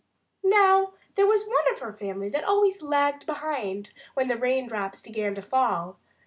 Now, there was one of her family that always lagged behind when the rain drops began to fall.